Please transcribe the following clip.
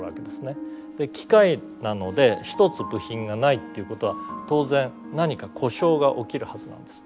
機械なので１つ部品がないっていうことは当然何か故障が起きるはずなんです。